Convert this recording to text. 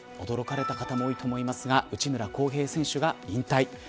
驚かれた方も多いと思いますが内村航平選手が引退。